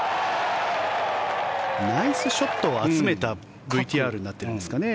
ナイスショットを集めたＶＴＲになってるんですかね。